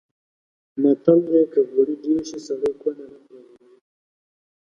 متل دی: که غوړي ډېر شي سړی کونه نه پرې غوړوي.